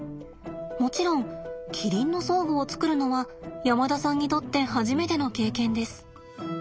もちろんキリンの装具を作るのは山田さんにとって初めての経験です。